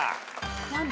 何だ？